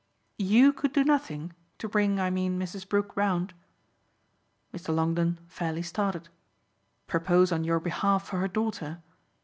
"YOU could do nothing? to bring, I mean, Mrs. Brook round." Mr. Longdon fairly started. "Propose on your behalf for her daughter?